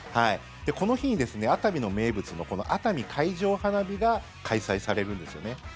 この日に、熱海の名物の熱海海上花火が開催されるんですよね。